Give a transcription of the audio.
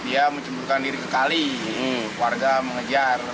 dia menceburkan diri ke kali warga mengejar